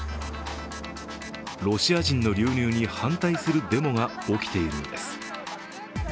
ロシア人の流入に反対するデモが起きているのです。